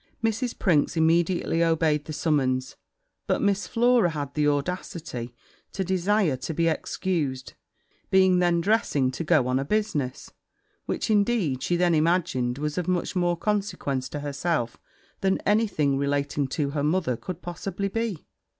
Mrs. Prinks immediately obeyed the summons, but Miss Flora had the audacity to desire to be excused, being then dressing to go on a business which, indeed, she then imagined was of much more consequence to herself than any thing relating to her mother could possibly be.